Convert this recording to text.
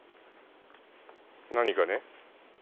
何かね？